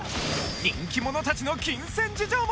人気者たちの金銭事情も！